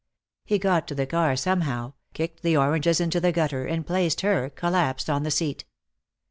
He got to the car somehow, kicked the oranges into the gutter, and placed her, collapsed, on the seat.